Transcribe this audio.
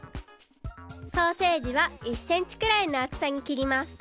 ソーセージは１センチくらいのあつさにきります。